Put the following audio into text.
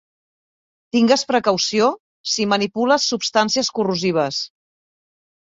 Tingues precaució si manipules substàncies corrosives.